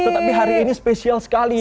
tetapi hari ini spesial sekali